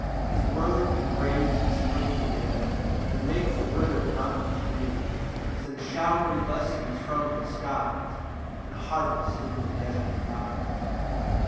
2 His word can raise the springs again, And make the wither'd mountains green, Send showery blessings from the skies, And harvests in the desert rise.